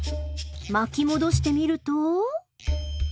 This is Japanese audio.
巻き戻してみると。